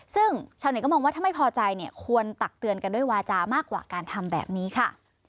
ซึ่งชาวเน็ตก็มองว่าถ้าไม่พอใจเนี่ยควรตักเตือนกันด้วยวาจามากกว่าการทำแบบนี้ค่ะ